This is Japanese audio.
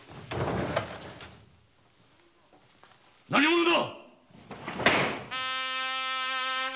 何者だ！